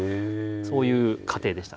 そういう家庭でした。